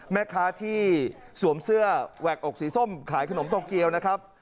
แม่ค้าที่สวมเสื้อแหวกอกสีส้มขายขนมโตเกียวนะครับ